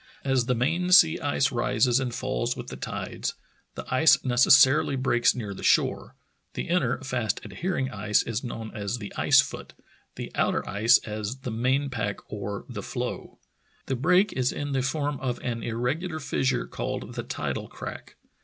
As the main sea ice rises and falls with the tides, the ice necessarily breaks near the shore; the inner, fast adhering ice is known as the ice foot, the outer ice as the main pack or the floe. The break is in the form of an irreg ular fissure called the tidal crack.